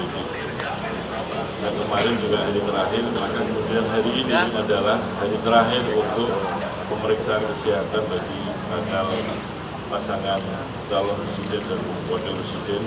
dan kemarin juga hari terakhir maka kemudian hari ini adalah hari terakhir untuk pemeriksaan kesehatan bagi bakal pasangan calon resident dan pukul model resident